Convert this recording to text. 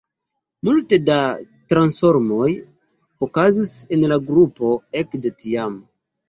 Multe da transformoj okazis en la grupo ekde tiam.